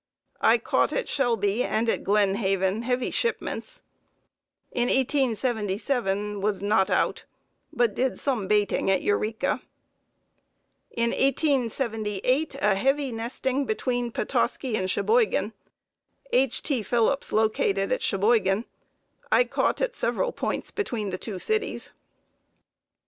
I caught at Shelby and at Glen Haven heavy shipments. In 1877 was not out, but did some baiting at Eureka. In 1878 a heavy nesting between Petoskey and Cheboygan. H. T. Phillips located at Cheboygan. I caught at several points between the two cities.